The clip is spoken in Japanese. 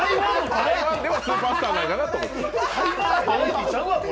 台湾ではスーパースターなのかなって。